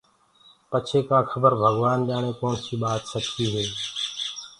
پڇي ڪآ کبر ڀگوآن جآڻي ڪوڻسي ٻآت سچي هي